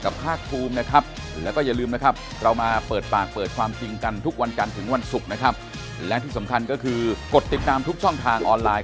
ขอบคุณครับขอบคุณทุกคนขอบคุณครับ